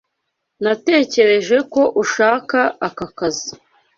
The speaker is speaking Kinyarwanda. Natekereje ko ushaka aka kazi.